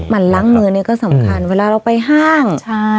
มันล้างมือนี่ก็สำคัญเวลาเราไปห้าง